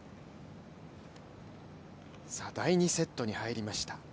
第２セットに入りました。